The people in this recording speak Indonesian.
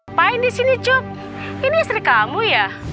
apa yang di sini cup ini istri kamu ya